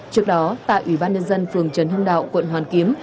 trước đó tại ủy ban nhân dân phường trần hưng đạo quận hoàn kiếm